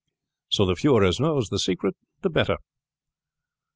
So the fewer as knows the secret the better."